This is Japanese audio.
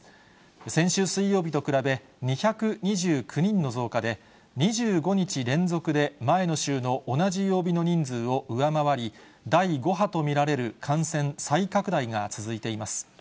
先週水曜日と比べ、２２９人の増加で、２５日連続で前の週の同じ曜日の人数を上回り、第５波と見られる感染再拡大が続いています。